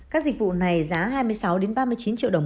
các dịch vụ này giá hai mươi sáu ba mươi chín triệu đồng